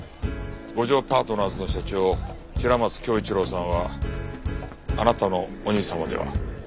五条パートナーズの社長平松恭一郎さんはあなたのお兄様では？